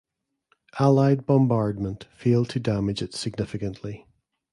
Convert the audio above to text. Allied bombardment failed to damage it significantly.